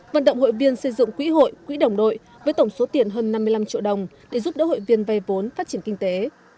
vận động hội viên xây dựng quỹ hội quỹ đồng đội với tổng số tiền hơn năm mươi năm triệu đồng để giúp đỡ hội viên vay vốn phát triển kinh tế